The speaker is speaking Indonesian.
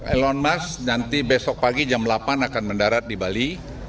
elon musk nanti besok pagi jam delapan akan mendarat di bali